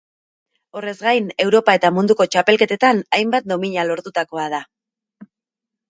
Horrez gain, Europa eta Munduko txapelketetan hainbat domina lortutakoa da.